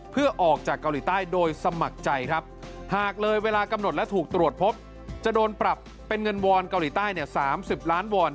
เพื่อออกจากเกาหลีใต้โดยสมัครใจครับหากเลยเวลากำหนดและถูกตรวจพบจะโดนปรับเป็นเงินวอนเกาหลีใต้๓๐ล้านวอน